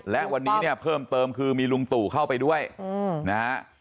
และวันนี้เนี่ยเพิ่มเติมคือมีลุงตู่เข้าไปด้วยนะฮะ